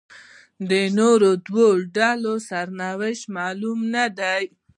د نورو دوو ډلو سرنوشت معلوم نه دی.